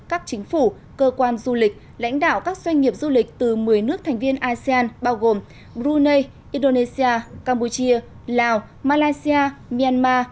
các chính phủ cơ quan du lịch lãnh đạo các doanh nghiệp du lịch từ một mươi nước thành viên asean bao gồm brunei indonesia lào malaysia myanmar